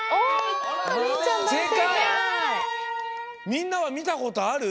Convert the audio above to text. みんなはみたことある？